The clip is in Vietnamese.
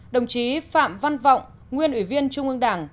đồng chí phạm văn vọng nguyên ủy viên trung ương đảng